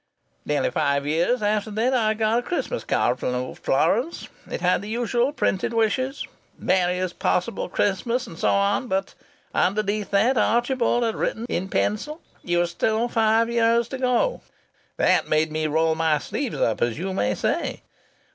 "Nearly five years after that I got a Christmas card from old Florance. It had the usual printed wishes 'Merriest possible Christmas and so on' but, underneath that, Archibald had written in pencil, 'You've still five years to go.' That made me roll my sleeves up, as you may say.